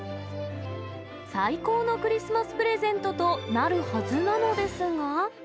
最高のクリスマスプレゼントとなるはずなのですが。